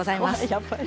やっぱり。